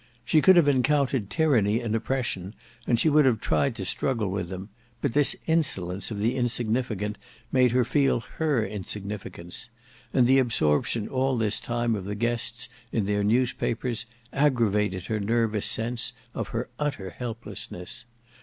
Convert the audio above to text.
She could have encountered tyranny and oppression, and she would have tried to struggle with them; but this insolence of the insignificant made her feel her insignificance; and the absorption all this time of the guests in their newspapers aggravated her nervous sense of her utter helplessness.